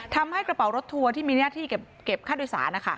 ทำให้กระเป๋ารถทัวร์ที่มีหน้าที่เก็บค่าโดยสาร